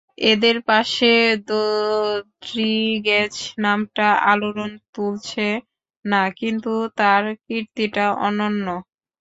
এঁদের পাশে রদ্রিগেজ নামটা আলোড়ন তুলছে না, কিন্তু তাঁর কীর্তিটা অনন্য।